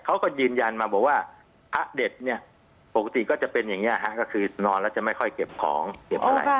เขาก็ยืนยันมาบอกว่าพระเด็ดเนี่ยปกติก็จะเป็นอย่างนี้ฮะก็คือนอนแล้วจะไม่ค่อยเก็บของเก็บอะไร